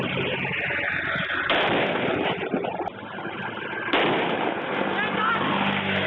ช่วยตา